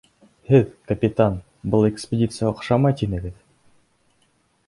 Һеҙ, капитан, был экспедиция оҡшамай, тинегеҙ.